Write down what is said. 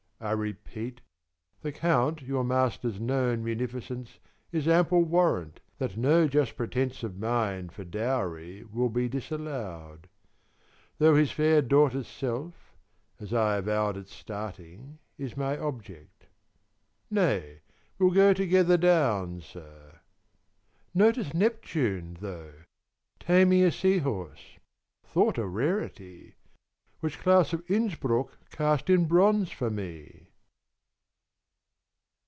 I repeat, The Count your master's known munificence Is ample warrant that no just pretence 50 Of mine for dowry will be disallowed; Though his fair daughter's self, as I avowed At starting, is my object. Nay, we'll go Together down, sir. Notice Neptune, though, Taming a sea horse, thought a rarity, Which Claus of Innsbruck cast in bronze for me!